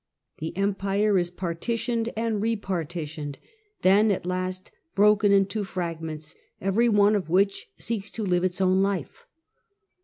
The Empire is partitioned and repartitioned, then at last broken into fragments, every one of which seeks to live its own life.